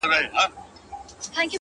تا راته نه ويل د کار راته خبري کوه !!